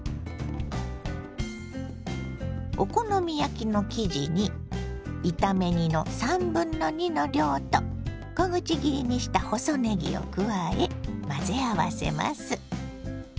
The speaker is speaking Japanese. お好み焼きの生地に炒め煮の2/3の量と小口切りにした細ねぎを加え混ぜ合わせます。